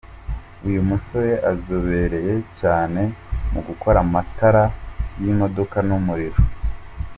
Uyu musore azobereye cyane mu gukora amatara y’imodoka n’umuriro.